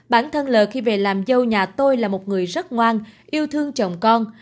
bản thân l khi về làm dâu nhà tôi là một người rất ngoan yêu thương chồng con